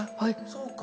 そうか。